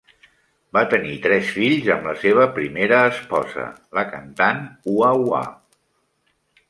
Va tenir tres fills amb la seva primera esposa, la cantant Hua Wa.